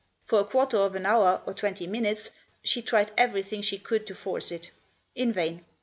For a quarter of an hour or twenty minutes she tried everything she could to force it. In vain.